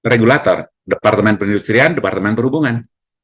regulator departemen perindustrian departemen perhubungan